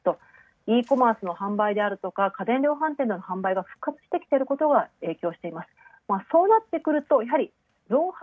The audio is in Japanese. イーコマースの販売や家電量販店の売り上げが復活してきていることが影響しています。